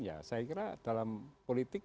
ya saya kira dalam politik